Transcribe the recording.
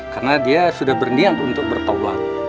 karena dia sudah berdiam untuk bertobat